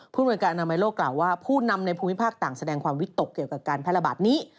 หน่วยการอนามัยโลกกล่าวว่าผู้นำในภูมิภาคต่างแสดงความวิตกเกี่ยวกับการแพร่ระบาดนี้